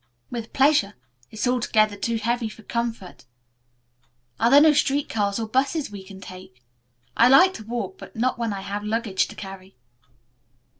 "With pleasure. It's altogether too heavy for comfort. Are there no street cars or busses we can take? I like to walk, but not when I have luggage to carry."